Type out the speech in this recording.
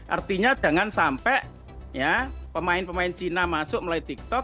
artinya jangan sampai pemain pemain cina masuk melalui tiktok